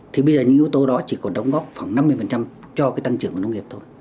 thì bây giờ những yếu tố đó chỉ còn đóng góp khoảng năm mươi cho cái tăng trưởng của nông nghiệp thôi